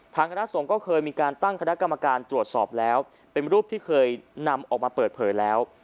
คณะสงฆ์ก็เคยมีการตั้งคณะกรรมการตรวจสอบแล้วเป็นรูปที่เคยนำออกมาเปิดเผยแล้ว